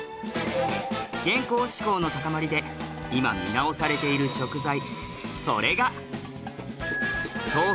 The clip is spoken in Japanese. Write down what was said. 健康志向の高まりで今見直されている食材それが。